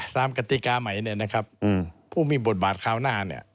กติกาใหม่เนี่ยนะครับผู้มีบทบาทคราวหน้าเนี่ย